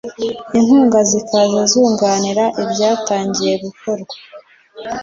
inkunga zikaza zunganira ibyatangiye gukorwa